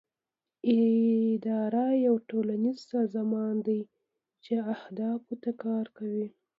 اداره یو ټولنیز سازمان دی چې اهدافو ته کار کوي.